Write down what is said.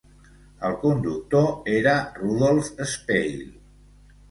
El conductor era Rudolph Speil.